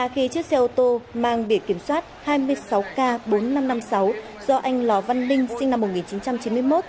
khi chiếc xe ô tô mang biển kiểm soát hai mươi sáu k bốn nghìn năm trăm năm mươi sáu do anh lò văn ninh sinh năm một nghìn chín trăm chín mươi một